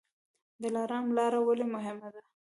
دلارام لاره ولې مهمه ده؟